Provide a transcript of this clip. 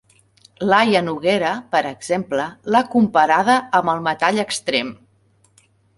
Laia Noguera, per exemple, l'ha comparada amb el metall extrem.